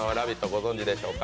ご存じでしょうか？